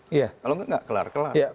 kalau enggak kelar kelar